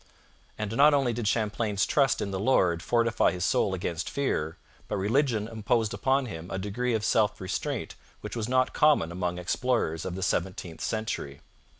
And not only did Champlain's trust in the Lord fortify his soul against fear, but religion imposed upon him a degree of self restraint which was not common among explorers of the seventeenth century.